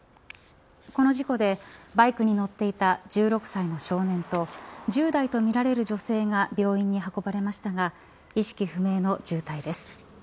この事故でバイクに乗っていた１６歳の少年と１０代とみられる女性が病院に運ばれましたが意識不明の重体です。